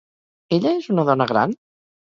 Ella és una dona gran?